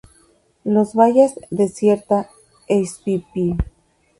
Los bayas de ciertas spp.